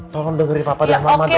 tolong dengerin papa dan mama dulu